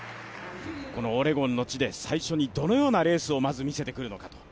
オレゴンの地で最初にどのようなレースをまず見せてくるのか。